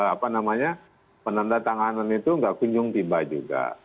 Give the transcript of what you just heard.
apa namanya menandatanganan itu nggak kunjung tiba juga